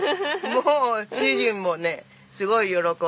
もう主人もねすごい喜んで。